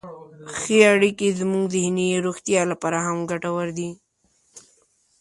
ښې اړیکې زموږ ذهني روغتیا لپاره هم ګټورې دي.